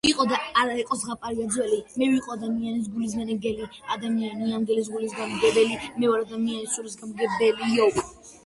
ბევრია ჩამქრალი ვულკანი.